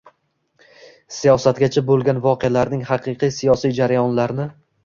“siyosatgacha” bo‘lgan voqealarning haqiqiy siyosiy jarayonlarni